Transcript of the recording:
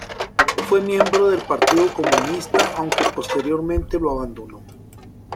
Fue miembro del Partido Comunista, aunque posteriormente lo abandonó.